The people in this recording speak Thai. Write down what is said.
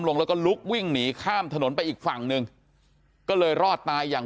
ลงแล้วก็ลุกวิ่งหนีข้ามถนนไปอีกฝั่งหนึ่งก็เลยรอดตายอย่าง